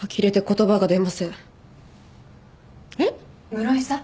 室井さん。